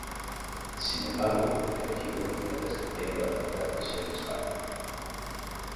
Sin embargo, el equipo terminó descendiendo a Tercera División de España.